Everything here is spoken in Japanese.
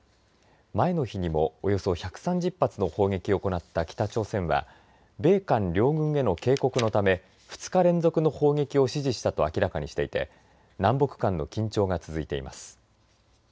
前の日にも、およそ１３０発の砲撃を行った北朝鮮は米韓両軍への警告のため２日連続の砲撃を指示したと明らかにしていて南北間の緊張が続いています。